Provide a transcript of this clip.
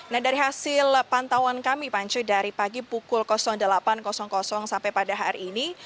nah dari hasil pantauan kami pancu dari pagi pukul delapan sampai pada hari ini